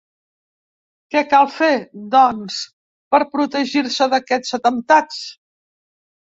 Què cal fer, doncs, per protegir-se d’aquests atemptats?